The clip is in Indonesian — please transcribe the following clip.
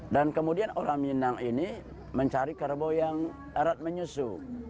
dan kemudian orang minang ini mencari kerbau yang erat menyusu